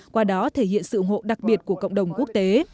qua đó thể hiện sự ủng hộ đặc biệt của cộng đồng quốc tế